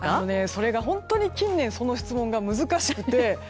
それが本当に近年その質問が難しくて。